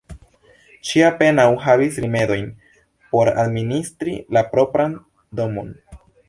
Ŝi apenaŭ havis rimedojn por administri la propran domon.